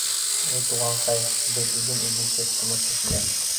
— Эй туғанҡай, беҙ иген игеүсе тыныс кешеләр.